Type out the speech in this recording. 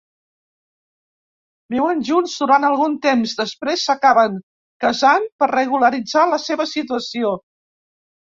Viuen junts durant algun temps, després s'acaben casant per regularitzar la seva situació.